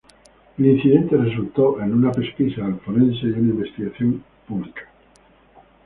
El incidente resultó en una pesquisa del forense y una investigación pública.